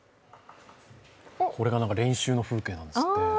これがなんか練習の風景なんですって。